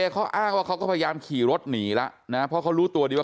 เขาอ้างว่าเขาก็พยายามขี่รถหนีแล้วนะเพราะเขารู้ตัวดีว่า